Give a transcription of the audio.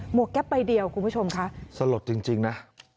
วกแก๊ปใบเดียวคุณผู้ชมค่ะสลดจริงนะ